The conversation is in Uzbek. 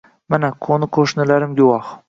Mana, qo‘ni-qo‘shnilarim guvoh